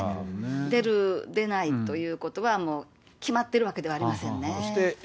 出る、出ないということは、もう決まってるわけではありませんね。